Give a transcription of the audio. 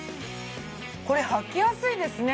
これはきやすいですね。